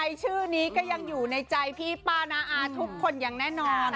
ชื่อนี้ก็ยังอยู่ในใจพี่ป้าน้าอาทุกคนอย่างแน่นอน